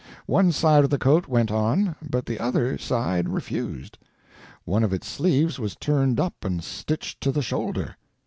One side of the coat went on, but the other side refused; one of its sleeves was turned up and stitched to the shoulder.